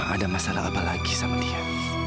ada masalah apa lagi sama dia